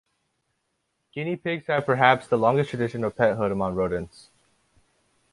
Guinea pigs have perhaps the longest tradition of pethood among rodents.